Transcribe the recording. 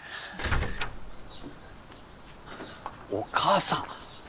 お母さん。